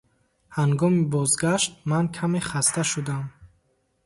Ҳангоми бозгашт ман каме хаста шудам.